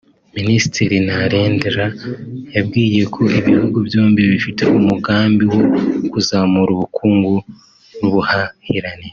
Minisitiri Narendra yababwiye ko ibihugu byombi bifite umugambi wo kuzamura ubukungu n’ubuhahirane